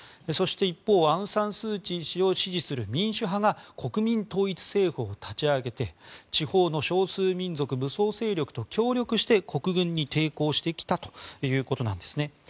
そして、一方アウン・サン・スー・チー氏を支持する民主派が国民統一政府を立ち上げて地方の少数民族武装勢力と協力して国軍に抵抗してきたということなんですね。